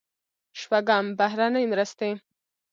شپږم: بهرنۍ مرستې.